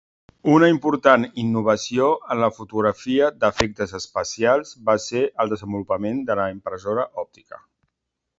Una important innovació en la fotografia d'efectes especials va ser el desenvolupament de la impressora òptica.